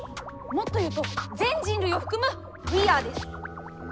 もっと言うと全人類を含む「ウィーアー」です。